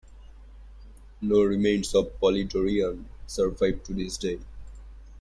No remains of Polydorion survive to this day.